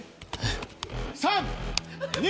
３・２。